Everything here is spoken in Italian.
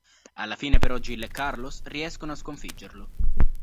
Alla fine però Jill e Carlos riescono a sconfiggerlo.